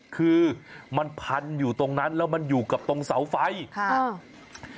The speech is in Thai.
คือมันพันอยู่ตรงนั้นแล้วมันอยู่กับตรงเสาไฟค่ะอ่า